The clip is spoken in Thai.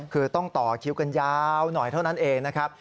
คือต้องต่อคิวกันยาวหน่อยเท่านั้นเองนะครับ